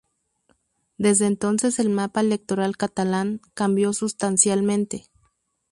Desde entonces el mapa electoral catalán cambió sustancialmente.